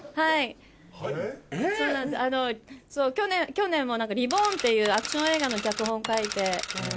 去年も『ＲＥ：ＢＯＲＮ』っていうアクション映画の脚本書いて。